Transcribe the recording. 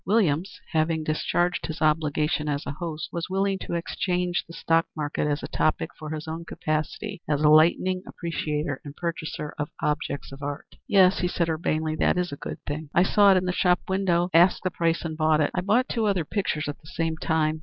Williams, having discharged his obligations as a host, was willing to exchange the stock market as a topic for his own capacity as a lightning appreciator and purchaser of objects of art. "Yes," he said, urbanely, "that is a good thing. I saw it in the shop window, asked the price and bought it. I bought two other pictures at the same time.